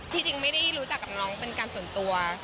จริงไม่ได้รู้จักกับน้องเป็นการส่วนตัว